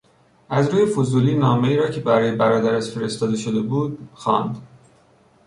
از روی فضولی نامهای را که برای برادرش فرستاده شده بود خواند.